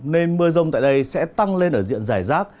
nên mưa rông tại đây sẽ tăng lên ở diện giải rác